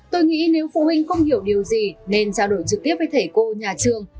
tôi nghĩ nếu phụ huynh không hiểu điều gì nên trao đổi trực tiếp với thầy cô nhà trường